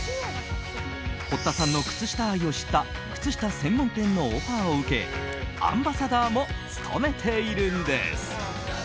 堀田さんの靴下愛を知った靴下専門店のオファーを受けアンバサダーも務めているんです。